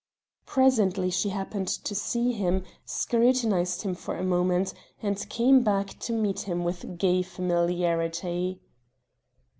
Presently she happened to see him; scrutinized him for a moment, and came to meet him with gay familiarity.